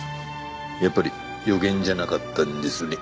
やっぱり予言じゃなかったんですね。